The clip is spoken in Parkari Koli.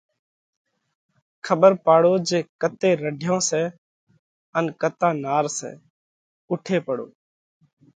کٻر پاڙو جي ڪتي رڍيون سئہ ان ڪتا نار سئہ؟ اُوٺي پڙو،